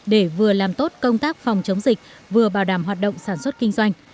để vừa làm tốt công tác phòng chống dịch vừa bảo đảm hoạt động sản xuất kinh doanh